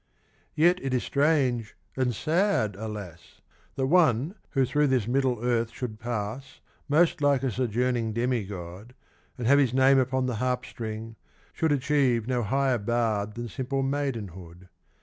Yet it is strange, and sad, alas! That one who through this middle earth should pass Most like a sojourning demi god, and have His name upon the harp string, should achieve No higher bard than simple maidenhood.